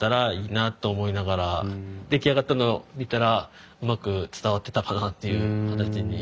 出来上がったのを見たらうまく伝わってたかなっていう形に。